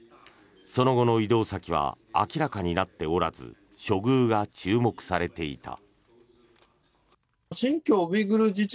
その後の移動先は明らかになっておらず処遇が注目されていた。